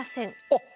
あっ！